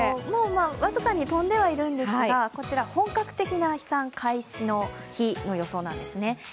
もう僅かに飛んではいるんですが、こちらは本格的な飛散開始の日の予想なんですね。